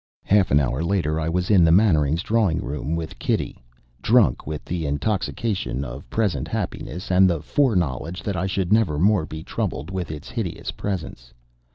Half an hour later I was in the Mannerings' drawing room with Kitty drunk with the intoxication of present happiness and the fore knowledge that I should never more be troubled with Its hideous presence.